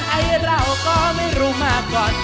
ไอ้เราก็ไม่รู้มาก่อน